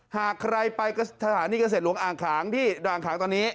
หากใครไปสถานีเกษตรหลวงอ่างขางที่ด่างขางตอนนี้